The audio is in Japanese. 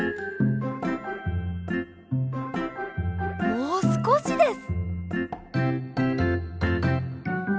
もうすこしです。